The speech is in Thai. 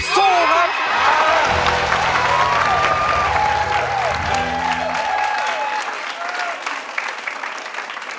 สู้ครับ